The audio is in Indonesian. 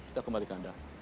kita kembalikan ke anda